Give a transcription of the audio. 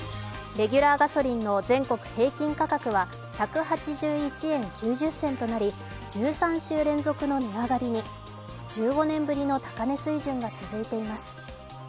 レギュラーガソリンの全国平均価格は１８１円９０銭となり１３週連続の値上がりに１５年ぶりの高値水準が続いています。